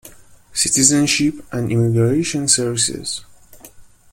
Citizenship and Immigration Services.